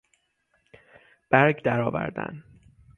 برگ درآوردن